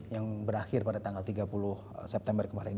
yang berakhir pada tanggal tiga puluh september kemarin